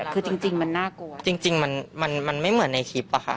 คือจริงจริงมันน่ากลัวจริงจริงมันมันมันไม่เหมือนในคลิปอ่ะค่ะ